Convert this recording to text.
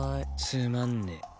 つまんねえ。